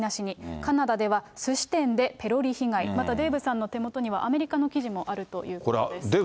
カナダでは、すし店でぺろり被害、またデーブさんの手元には、アメリカの記事もあるということです。